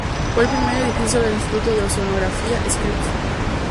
Fue el primer edificio del Instituto de Oceanografía Scripps.